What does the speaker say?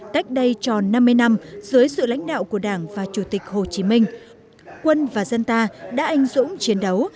cách đây tròn năm mươi năm dưới sự lãnh đạo của đảng và chủ tịch hồ chí minh quân và dân ta đã anh dũng chiến đấu